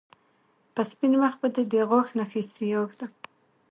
په سپين مخ به دې د غاښ نښې سياه ږدم